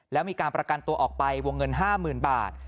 แล้วมีการประกันตัวออกไปวงเงิน๕๐๐๐บาท